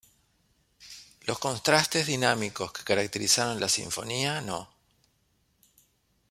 Los contrastes dinámicos que caracterizaron la Sinfonía no.